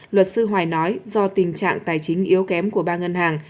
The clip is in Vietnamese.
luật sư hoài nói do tình trạng tài chính yếu kém của ba ngân hàng